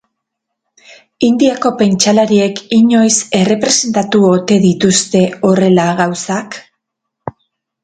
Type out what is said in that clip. Indiako pentsalariek inoiz errepresentatu ote dituzte horrela gauzak?